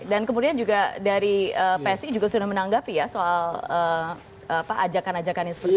dan kemudian juga dari psi juga sudah menanggapi ya soal apa ajakan ajakan yang seperti itu